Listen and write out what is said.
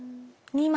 ２枚。